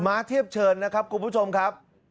้าเทียบเชิญนะครับคุณผู้ชมครับ